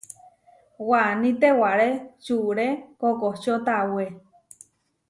Waní tewaré čure kokočió tawé.